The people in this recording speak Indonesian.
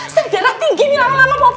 saya berdarah tinggi nih lama lama popi